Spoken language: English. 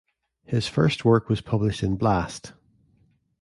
His first work was published in Blast!